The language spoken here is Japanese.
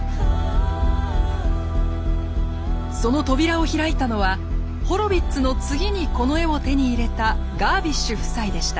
その扉を開いたのはホロヴィッツの次にこの絵を手に入れたガービッシュ夫妻でした。